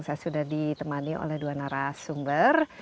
saya sudah ditemani oleh dua narasumber